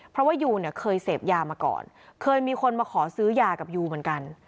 เพราะว่ายูเนี่ยเคยเสพยามาก่อนเคยมีคนมาขอซื้อยากับยูเหมือนกัน